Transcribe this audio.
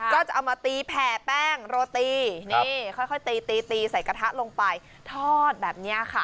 ก็จะเอามาตีแผ่แป้งโรตีนี่ค่อยตีตีใส่กระทะลงไปทอดแบบนี้ค่ะ